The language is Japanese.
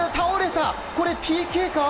これ、ＰＫか？